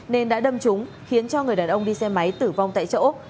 nên đã đâm trúng khiến cho người đàn ông đi xe máy tử vong tại chỗ